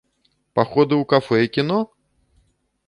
Паходы ў кафэ і кіно?